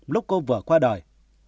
lúc cô vừa qua đời